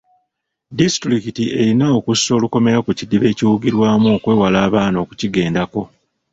Disitulikiti erina okussa olukomera ku kidiba ekiwugirwamu okwewala abaana okukigendako.